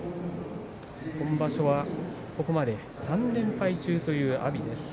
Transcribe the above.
今場所は、ここまで３連敗中という阿炎です。